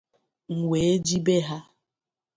M wee jìbé ha